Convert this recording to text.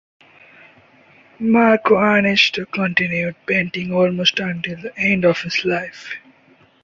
Marco Ernesto continued painting almost until the end of his life.